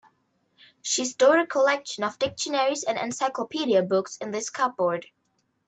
She stored a collection of dictionaries and encyclopedia books in this cupboard.